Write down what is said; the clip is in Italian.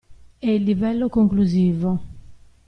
È il livello conclusivo.